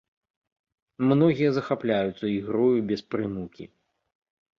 Многія захапляюцца ігрою без прынукі.